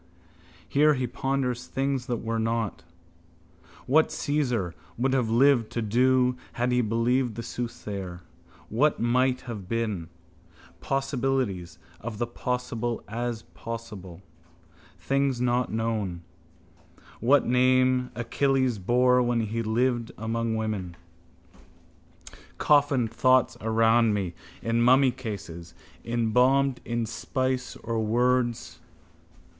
Here he ponders things that were not: what Cæsar would have lived to do had he believed the soothsayer: what might have been: possibilities of the possible as possible: things not known: what name Achilles bore when he lived among women. Coffined thoughts around me, in mummycases, embalmed in spice of words.